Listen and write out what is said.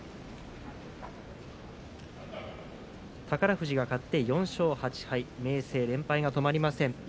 宝富士が勝って４勝８敗明生、連敗が止まりません。